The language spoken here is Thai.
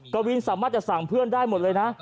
กวินสามารถจะสั่งเพื่อนได้หมดเลยนะ